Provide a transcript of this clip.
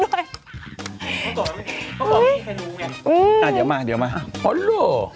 เขาบอกที่แคปนู้นไงอ่าเดี๋ยวมาฮัลโหล